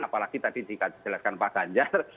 apalagi tadi dijelaskan pak ganjar